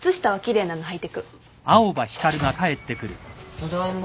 ただいま。